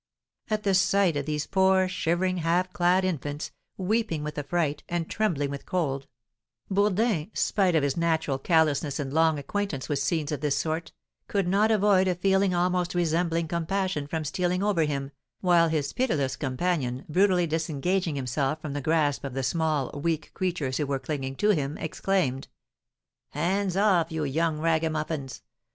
At the sight of these poor, shivering, half clad infants, weeping with affright, and trembling with cold, Bourdin, spite of his natural callousness and long acquaintance with scenes of this sort, could not avoid a feeling almost resembling compassion from stealing over him, while his pitiless companion, brutally disengaging himself from the grasp of the small, weak creatures who were clinging to him, exclaimed: "Hands off, you young ragamuffins!